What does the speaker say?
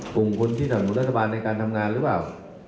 กลุ่มคนที่หนังกุฎภาคในการทำงานหรือเปล่า